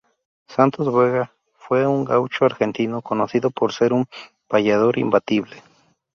Santos Vega fue un gaucho argentino conocido por ser un payador imbatible.